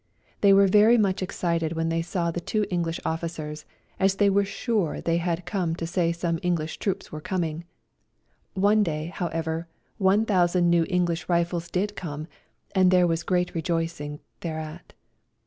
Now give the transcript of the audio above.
They were very much A RIDE TO KALABAC 49 excited when they saw the two Enghsh officers, as they were sure they had come to say some Enghsh troops were coming. One day, however, one thousand new Enghsh rifles did come, and there was great rejoicing thereat.